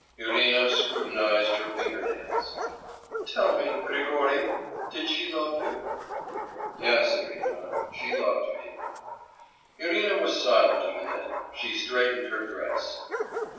Irina scrutinised her finger nails. 'Tell me, Grigory ... did she love you?' 'Yes, Irina, she loved me.' Irina was silent a minute, she straightened her dress.